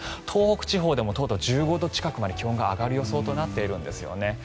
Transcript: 東北地方でもとうとう１５度近くまで気温が上がる予想となっているんですね。